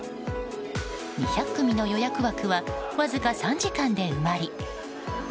２００組の予約枠はわずか３時間で埋まり運